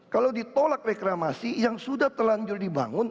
kalau ditolak reklamasi yang sudah terlanjur dibangun